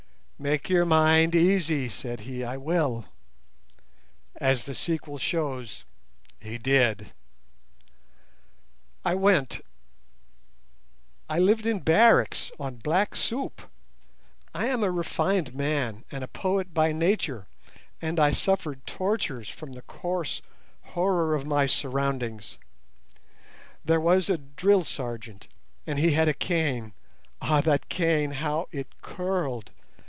"'Make your mind easy,' said he; 'I will.' As the sequel shows, he did! "I went. I lived in barracks on black soup. I am a refined man and a poet by nature, and I suffered tortures from the coarse horror of my surroundings. There was a drill sergeant, and he had a cane. Ah, that cane, how it curled!